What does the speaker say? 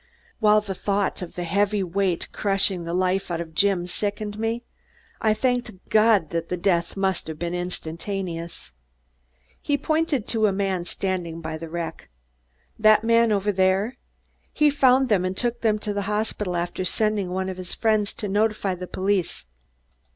While the thought of the heavy weight crushing the life out of Jim sickened me, I thanked God that death must have been instantaneous. "Do you know who found them, Sergeant?" He pointed to a man standing by the wreck. "That man over there. He found them and took them to the hospital after sending one of his friends to notify the police."